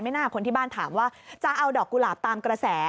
หน้าคนที่บ้านถามว่าจะเอาดอกกุหลาบตามกระแส